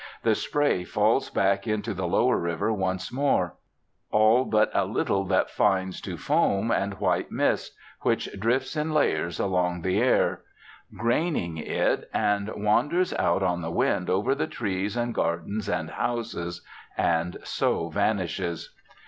The spray falls back into the lower river once more; all but a little that fines to foam and white mist, which drifts in layers along the air, graining it, and wanders out on the wind over the trees and gardens and houses, and so vanishes.